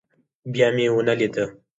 بيا مې ونه ليده.